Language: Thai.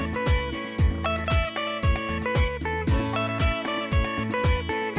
ในภาคฝั่งอันดามันนะครับ